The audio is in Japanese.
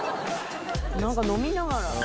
なんか飲みながら。